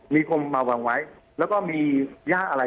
มีคมมาวางไว้แล้วก็มีย่าอะไร